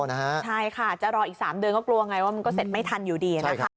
ใช่ค่ะจะรออีก๓เดือนก็กลัวไงว่ามันก็เสร็จไม่ทันอยู่ดีนะคะ